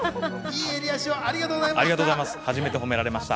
いい襟足をありがとうございました。